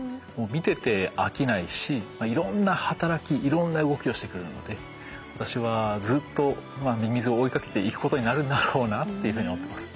見てて飽きないしいろんな働きいろんな動きをしてくれるので私はずっとミミズを追いかけていくことになるんだろうなというふうに思ってます。